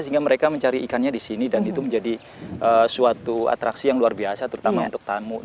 sehingga mereka mencari ikannya di sini dan itu menjadi suatu atraksi yang luar biasa terutama untuk tamu